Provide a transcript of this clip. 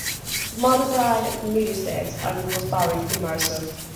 The mother died at Middlesex and was buried in Mercer.